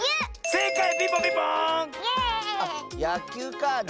せいかい！